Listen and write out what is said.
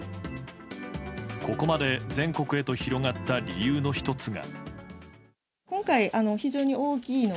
ここまで全国へと広がった理由の１つが。